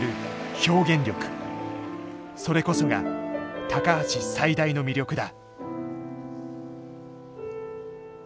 それこそが橋最大の魅力だ。